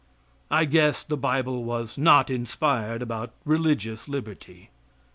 I guess the Bible was not inspired about religious liberty.